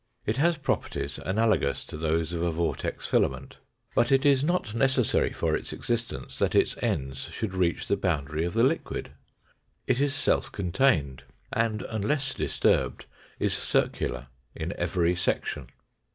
It has properties analogous to those of a vortex filament. But it is not necessary for its existence that its ends should reach the boundary of the liquid. It is self contained and, unless disturbed, is circular in every section.